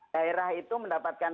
daerah itu mendapatkan